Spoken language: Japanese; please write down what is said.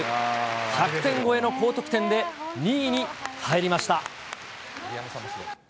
１００点超えの高得点で、２位に入りました。